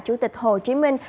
chủ tịch hồ chí minh